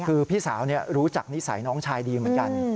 คือพี่สาวรู้จักนิสัยน้องชายดีเหมือนกัน